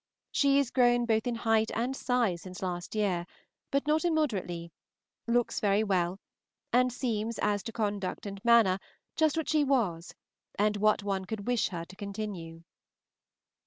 She is grown both in height and size since last year, but not immoderately, looks very well, and seems as to conduct and manner just what she was and what one could wish her to continue.